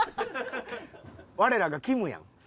我らがきむやん。